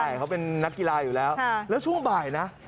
ใช่เขาเป็นนักกีฬาอยู่แล้วแล้วช่วงบ่ายนะ